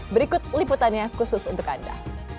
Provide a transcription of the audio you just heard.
berikut liputannya khusus untuk anda